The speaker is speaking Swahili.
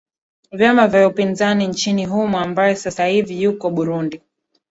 vyama vya upinzani nchini humo ambae sasa hivi yuko burundi